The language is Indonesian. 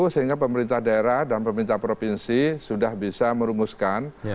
sehingga pemerintah daerah dan pemerintah provinsi sudah bisa merumuskan